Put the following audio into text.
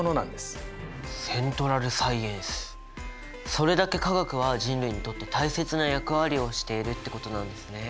それだけ化学は人類にとって大切な役割をしているってことなんですね。